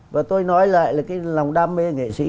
và tôi nói lại là cái lòng đam mê nghệ sĩ